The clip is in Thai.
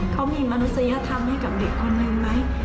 เขามีมนุษยธรรมให้กับเด็กคนนึงไหม